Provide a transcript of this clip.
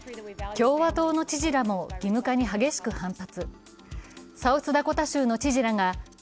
共和党の知事らも義務化に激しく反発。